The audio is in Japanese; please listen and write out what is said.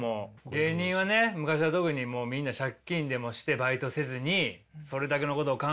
芸人はね昔は特にもうみんな借金でもしてバイトせずにそれだけのことを考えてっていう時期もあったよね